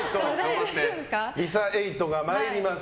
リサ８が参ります。